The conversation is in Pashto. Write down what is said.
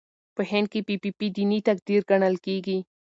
په هند کې پي پي پي دیني تقدیر ګڼل کېږي.